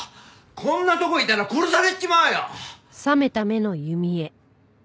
こんなとこいたら殺されちまうよ！